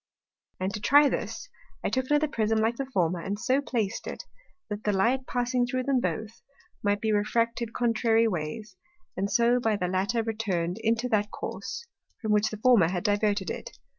And to try this, I took another Prism like the former, and so plac'd it, that the Light passing through them both, might be refracted contrary ways, and so by the latter return'd into that Course, from which the former had diverted it.